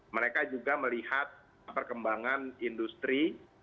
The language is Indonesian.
mereka juga melihat perkembangan industri